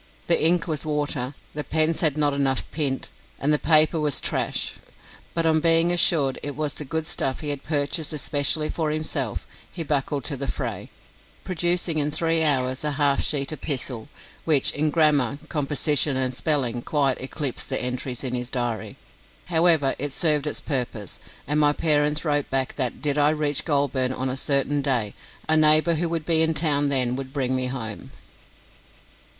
The ink was "warter", the pens had not enough "pint", and the paper was "trash"; but on being assured it was the good stuff he had purchased especially for himself, he buckled to the fray, producing in three hours a half sheet epistle, which in grammar, composition, and spelling quite eclipsed the entries in his diary. However, it served its purpose, and my parents wrote back that, did I reach Goulburn on a certain day, a neighbour who would be in town then would bring me home.